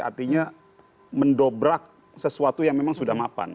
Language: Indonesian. artinya mendobrak sesuatu yang memang sudah mapan